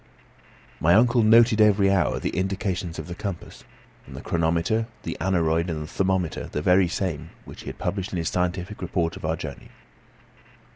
My uncle noted every hour the indications of the compass, the chronometer, the aneroid, and the thermometer the very same which he has published in his scientific report of our journey.